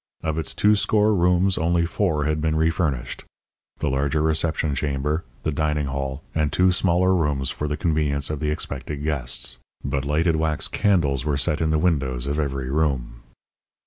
Of its two score rooms only four had been refurnished the larger reception chamber, the dining hall, and two smaller rooms for the convenience of the expected guests. But lighted wax candles were set in the windows of every room.